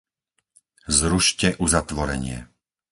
Zrušte uzatvorenie!